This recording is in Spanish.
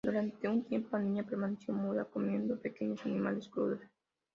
Durante un tiempo, la niña permaneció muda, comiendo pequeños animales crudos.